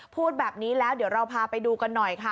พูดแบบนี้แล้วเดี๋ยวเราพาไปดูกันหน่อยค่ะ